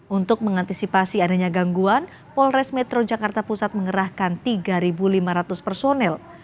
untuk mengantisipasi adanya gangguan polres metro jakarta pusat mengerahkan tiga lima ratus personel